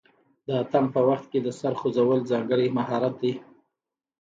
د اتن په وخت کې د سر خوځول ځانګړی مهارت دی.